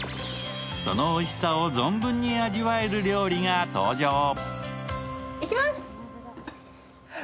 そのおいしさを存分に味わえる料理が登場。